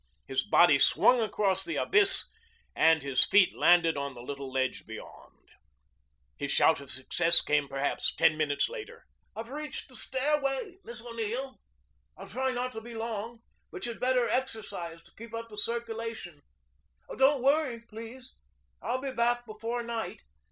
His body swung across the abyss and his feet landed on the little ledge beyond. His shout of success came perhaps ten minutes later. "I've reached the stairway, Miss O'Neill. I'll try not to be long, but you'd better exercise to keep up the circulation. Don't worry, please. I'll be back before night."